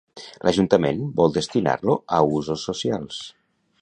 L'Ajuntament vol destinar-lo a usos socials.